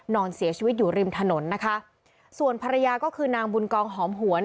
นอนเสียชีวิตอยู่ริมถนนนะคะส่วนภรรยาก็คือนางบุญกองหอมหวน